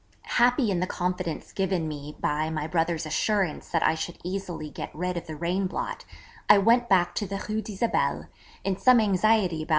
Happy in the confidence given me by my brother's assurance that I should easily get rid of the rain blot, I went back to the Rue d'Isabelle, in some anxiety about M.